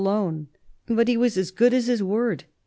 alone. But he was as good as his word.